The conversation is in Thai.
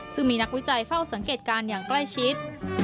ซึ่งมีนักวิจัยเฝ้าสังเกตการณ์อย่างใกล้ชิด